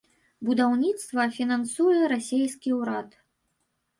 Будаўніцтва фінансуе расейскі ўрад.